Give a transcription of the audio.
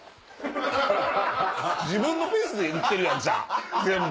自分のペースで言ってるやん全部。